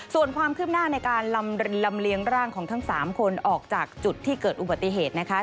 ส่วนความคืบหน้าในการลำเลียงร่างของทั้ง๓คนออกจากจุดที่เกิดอุบัติเหตุนะคะ